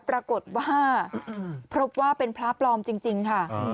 ปรากฏว่าพบว่าเป็นพระปลอมจริงค่ะ